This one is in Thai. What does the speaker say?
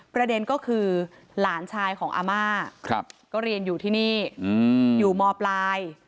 ประเด็นก็คือหลานชายของอาม่าก็เรียนอยู่ที่นี่อยู่มปลาย